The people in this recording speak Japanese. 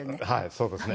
そうですね。